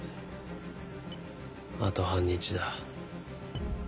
あと半日だ。